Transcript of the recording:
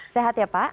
sehat ya pak